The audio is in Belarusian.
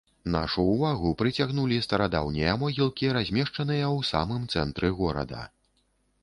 Нашу ўвагу прыцягнулі старадаўнія могілкі, размешчаныя ў самым цэнтры горада.